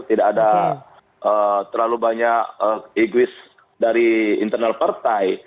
tidak ada terlalu banyak egois dari internal partai